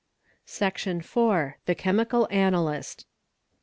Section iv.——The Chemical Analyst.